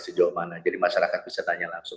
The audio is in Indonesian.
sejauh mana jadi masyarakat bisa tanya langsung